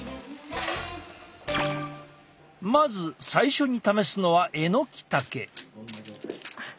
まず最初に試すのはエノキタケ。